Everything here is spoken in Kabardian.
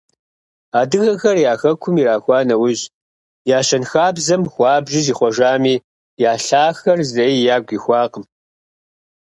Адыгэхэр я хэкум ирахуа нэужь я щэнхабзэм хуабжьу зихъуэжами, я лъахэр зэи ягу ихуакъым.